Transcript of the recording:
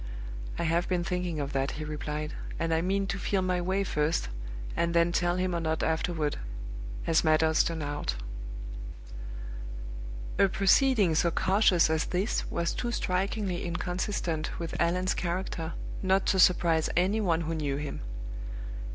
"I have been thinking of that," he replied; "and I mean to feel my way first, and then tell him or not afterward, as matters turn out?" A proceeding so cautious as this was too strikingly inconsistent with Allan's character not to surprise any one who knew him.